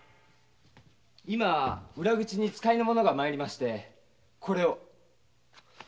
裏口に使いの者が参りましてこれを。